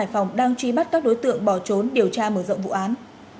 hiện phòng đang trí bắt các đối tượng bỏ trốn điều tra mở rộng vụ án